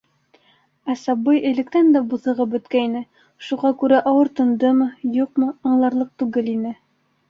Ә сабый электән дә буҫығып бөткәйне, шуға күрә ауыртындымы-юҡмы, аңларлыҡ түгел ине.